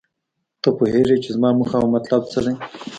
ته پوهیږې چې زما موخه او مطلب څه دی